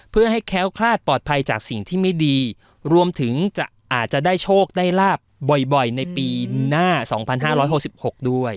เพื่อให้แค้วคลาดปลอดภัยจากสิ่งที่ไม่ดีรวมถึงจะอาจจะได้โชคได้ลาบบ่อยในปีหน้า๒๕๖๖ด้วย